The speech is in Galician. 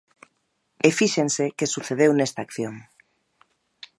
E fíxense que sucedeu nesta acción.